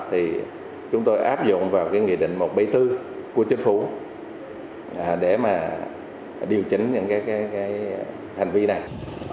thì chúng tôi áp dụng vào cái nghị định một trăm bảy mươi bốn của chính phủ để mà điều chỉnh những cái hành vi này